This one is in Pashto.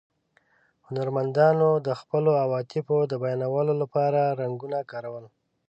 هنرمندانو د خپلو عواطفو د بیانولو له پاره رنګونه کارول.